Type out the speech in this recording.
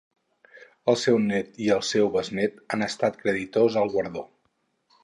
El seu nét i el seu besnét han estat creditors al guardó.